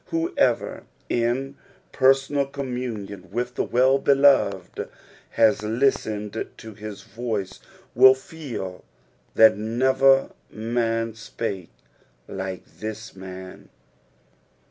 Whoever in personal communion with the Wellbeloved has listened to his voice will feel that " never man spake like this man."